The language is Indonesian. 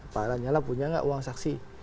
pak lanyala punya nggak uang saksi